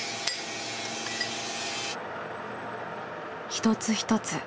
一つ一つ